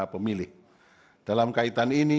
pemilih dalam kaitan ini